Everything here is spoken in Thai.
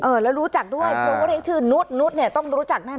เอ่อแล้วรู้จักด้วยเพราะว่าเรียกชื่อนุฏินุฏต้องรู้จักแน่นอน